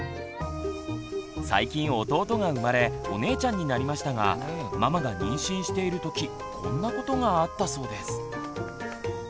最近弟が生まれお姉ちゃんになりましたがママが妊娠しているときこんなことがあったそうです。